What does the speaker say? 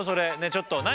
ちょっと何？